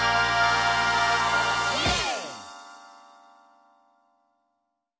イエーイ！